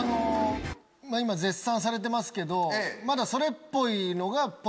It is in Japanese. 今絶賛されてますけどまだ。